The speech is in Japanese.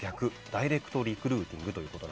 ダイレクトリクルーティング。